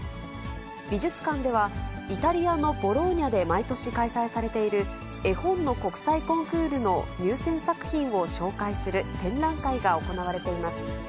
美術館ではイタリアのボローニャで毎年開催されている、絵本の国際コンクールの入選作品を紹介する展覧会が行われています。